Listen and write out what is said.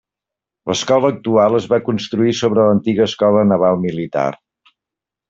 L'Escola actual es va construir sobre l'antiga Escola Naval Militar.